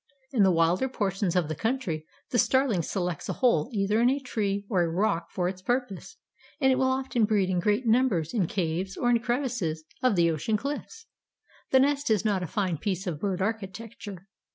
In the wilder portions of the country the Starling selects a hole either in a tree or a rock for its purpose, and it will often breed in great numbers in caves or in crevices of the ocean cliffs." The nest is not a fine piece of bird architecture.